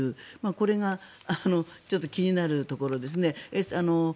これがちょっと気になるところですね。